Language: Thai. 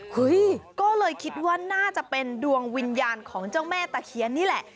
เฮ้ยก็เลยคิดว่าน่าจะเป็นดวงวิญญาณของเจ้าแม่ตะเคียนนี่แหละ